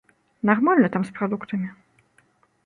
Нармальна там з прадуктамі.